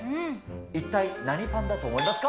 一体何パンだと思いますか？